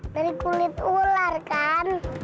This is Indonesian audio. dari kulit ular kan